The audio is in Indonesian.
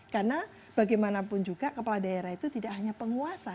karena bagaimanapun juga kepala daerah itu tidak hanya penguasa